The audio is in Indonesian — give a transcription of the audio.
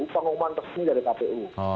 pengumuman tersendiri dari kpu